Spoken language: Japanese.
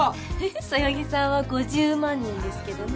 そよぎさんは５０万人ですけどね。